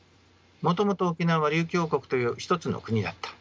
もともと沖縄は琉球王国という一つの国だった。